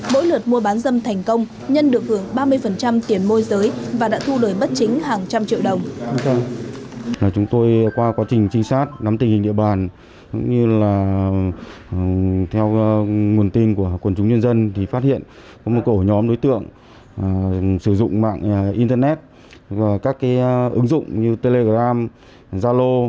mỗi lượt mua bán dâm thành công nhân được ưởng ba mươi tiền môi giới và đã thu lời bất chính hàng trăm triệu đồng